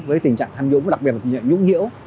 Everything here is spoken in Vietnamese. với tình trạng tham nhũng đặc biệt là tình trạng nhũng hiểu